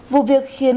vụ việc khiến